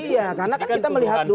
iya karena kan kita melihat dulu